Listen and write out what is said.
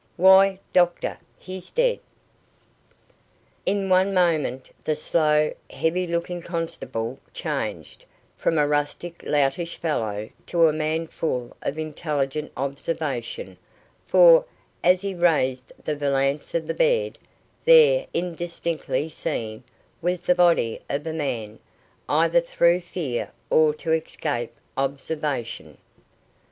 "WHY, DOCTOR, HE'S DEAD!" In one moment the slow, heavy looking constable changed, from a rustic, loutish fellow, to a man full of intelligent observation, for, as he raised the valance of the bed, there, indistinctly seen, was the body of a man, either through fear or to escape observation.